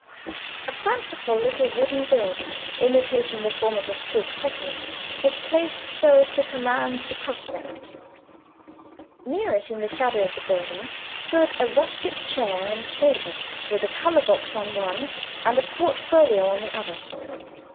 A fanciful little wooden building, imitating the form of a Swiss cottage, was placed so as to command the prospect. Near it, in the shadow of the building, stood a rustic chair and table with a color box on one, and a portfolio on the other.